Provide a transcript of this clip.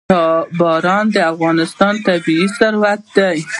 باران د افغانستان طبعي ثروت دی.